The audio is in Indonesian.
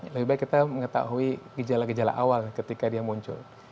lebih baik kita mengetahui gejala gejala awal ketika dia muncul